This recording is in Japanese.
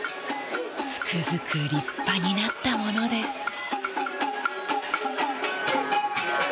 つくづく立派になったものです。